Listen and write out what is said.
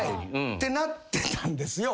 ってなってたんですよ。